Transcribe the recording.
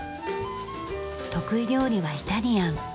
得意料理はイタリアン。